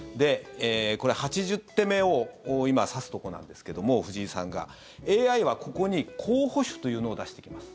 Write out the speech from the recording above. これ、８０手目を今、指すところなんですけども藤井さんが。ＡＩはここに候補手というのを出してきます。